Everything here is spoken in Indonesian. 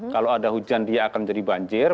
kalau ada hujan dia akan menjadi banjir